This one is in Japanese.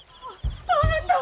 あなた。